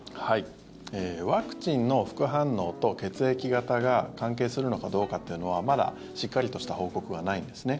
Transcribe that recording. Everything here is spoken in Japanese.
ワクチンの副反応と血液型が関係するのかどうかっていうのはまだ、しっかりとした報告はないんですね。